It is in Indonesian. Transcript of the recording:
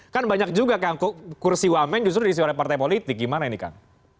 kan banyak juga kak kursi wamen justru disiulai partai politik gimana ini kak